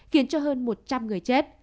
khiến cho hơn một trăm linh người chết